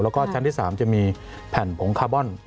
แล้วก็ชั้นที่๓จะมีแผ่นผงคาร์บอน